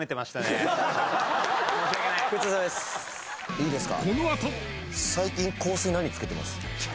いいですか？